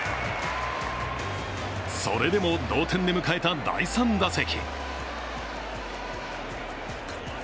それでも、同点で迎えた第３打席。